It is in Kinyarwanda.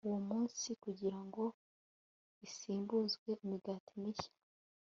uwo munsi kugira ngo isimbuzwe imigati mishya